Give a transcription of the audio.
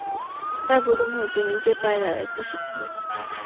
তাহারা প্রথম হইতেই নিজের পায়ে দাঁড়াইতে শিখিবে।